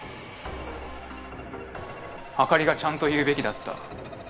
朱莉がちゃんと言うべきだった。